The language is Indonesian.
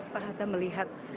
pak hatta melihat